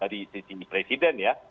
dari sisi presiden ya